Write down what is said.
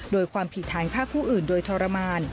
โดยความผิดฐานฆ่าผู้อื่นโดยทรมาน